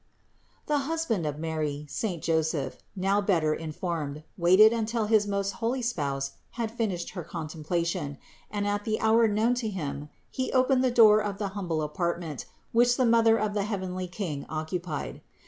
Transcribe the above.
407. The husband of Mary, saint Joseph, now better informed, waited until his most holy Spouse had finished her contemplation, and at the hour known to him he opened the door of the humble apartment which the Mother of the heavenly King occupied.